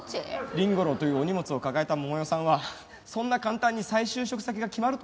凛吾郎というお荷物を抱えた桃代さんはそんな簡単に再就職先が決まると思うか？